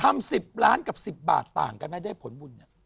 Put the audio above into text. ทำสิบล้านกับสิบบาทต่างกันนะได้ผลบุญ